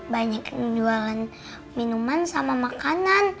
banyak yang jualan minuman sama makanan